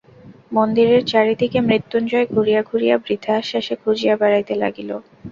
মন্দিরের চারি দিকে মৃত্যুঞ্জয় ঘুরিয়া ঘুরিয়া বৃথা আশ্বাসে খুঁজিয়া বেড়াইতে লাগিল।